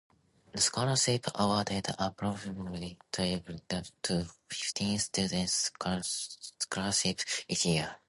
The scholarship awarded approximately twelve to fifteen students scholarships each year.